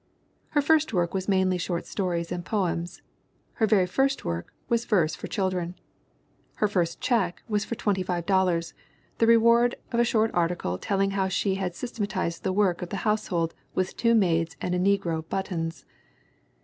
Her first work was mainly short stories and poems. Her very first work was verse for children. Her first check was for $25, the reward of a short article telling how she had systematized the work of the household with two maids and a negro "buttons."